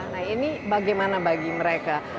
nah ini bagaimana bagi mereka